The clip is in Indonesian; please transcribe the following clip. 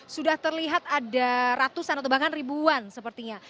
sudah terlihat ada ratusan atau bahkan ribuan sepertinya